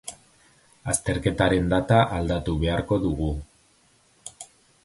Azterketaren data aldatu beharko dugu.